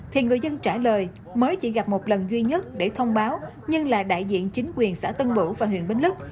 thì người dân trả lời mới chỉ gặp một lần duy nhất để thông báo nhưng là đại diện chính quyền xã tân bũ và huyện bến lức